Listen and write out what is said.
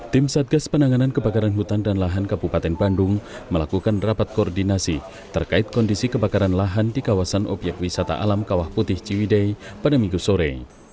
tim satgas penanganan kebakaran hutan dan lahan kabupaten bandung melakukan rapat koordinasi terkait kondisi kebakaran lahan di kawasan obyek wisata alam kawah putih ciwidei pada minggu sore